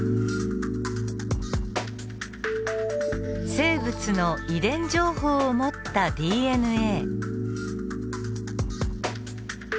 生物の遺伝情報を持ったＤＮＡ。